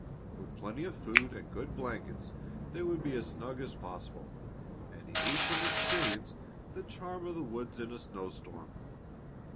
With plenty of food and good blankets they would be as snug as possible, and he knew from experience the charm of the woods in a snow storm.